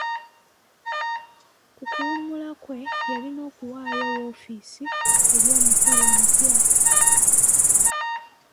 Ku kuwummula kwe, yalina okuwaayo woofiisi eri omukulu omupya.